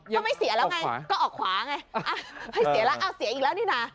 ก็ไม่เสียแล้วไงก็ออกขวาไงไม่เสียแล้วอ้าวเสียอีกแล้วนี่น่ะ